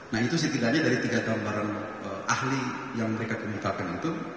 nah itu setidaknya dari tiga gambaran ahli yang mereka kemukakan itu